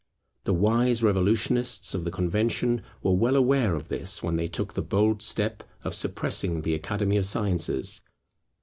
The wise revolutionists of the Convention were well aware of this when they took the bold step of suppressing the Academy of Sciences.